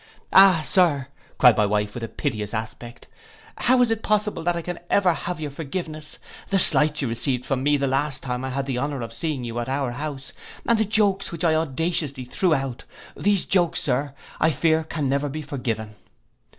'Ah, Sir,' cried my wife, with a piteous aspect, 'how is it possible that I can ever have your forgiveness; the slights you received from me the last time I had the honour of seeing you at our house, and the jokes which I audaciously threw out, these jokes, Sir, I fear can never be forgiven.